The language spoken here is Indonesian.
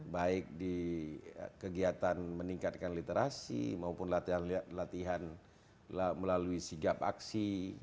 baik di kegiatan meningkatkan literasi maupun latihan melalui sigap aksi